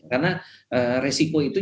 karena resiko itu